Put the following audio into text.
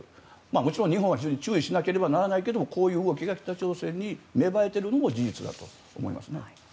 もちろん日本は非常に注意しなければならないけれどもこういう動きが北朝鮮に芽生えているのも事実だと思いますね。